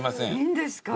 いいんですか？